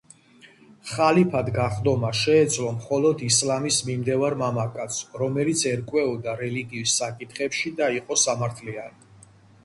ხალიფად გახდომა შეეძლო მხოლოდ ისლამის მიმდევარ მამაკაცს, რომელიც ერკვეოდა რელიგიის საკითხებში და იყო სამართლიანი.